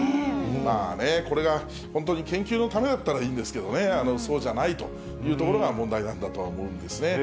まあね、これが本当に研究のためだったらいいんですけれどもね、そうじゃないというところが問題なんだとは思うんですね。